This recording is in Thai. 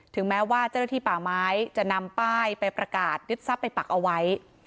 แม้ว่าเจ้าหน้าที่ป่าไม้จะนำป้ายไปประกาศยึดทรัพย์ไปปักเอาไว้